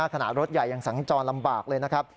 ขณะรถใหญ่ยังสัญจรลำบากเลย